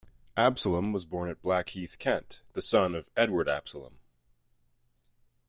Absolom was born at Blackheath, Kent, the son of Edward Absolom.